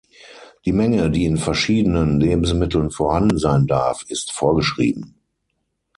Die Menge, die in verschiedenen Lebensmitteln vorhanden sein darf, ist vorgeschrieben.